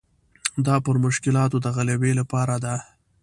دا پر مشکلاتو د غلبې لپاره ده.